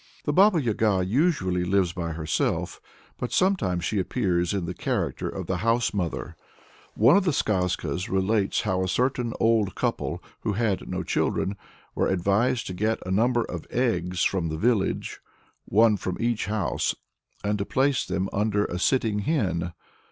The Baba Yaga usually lives by herself, but sometimes she appears in the character of the house mother. One of the Skazkas relates how a certain old couple, who had no children, were advised to get a number of eggs from the village one from each house and to place them under a sitting hen.